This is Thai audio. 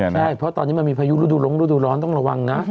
ใช่เพราะตอนนี้มันมีพายุฤดูลงฤดูร้อนต้องระวังนะ